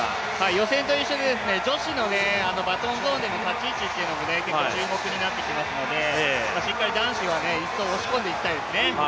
予選と一緒で女子のバトンゾーンの立ち位置というのも結構注目になってきますのでしっかり男子は１走を押し込んでいきたいですね。